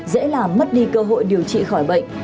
dễ làm mất đi cơ hội điều trị khỏi bệnh